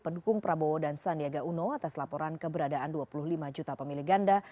pendukung prabowo dan sandiaga uno atas laporan keberadaan dua puluh lima juta pemilih ganda